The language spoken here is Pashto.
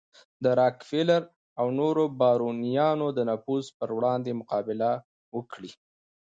د راکفیلر او نورو بارونیانو د نفوذ پر وړاندې مقابله وکړي.